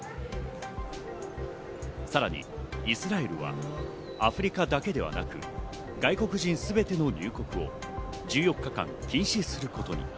さらにイスラエルはアフリカだけではなく外国人すべての入国を１４日間禁止することに。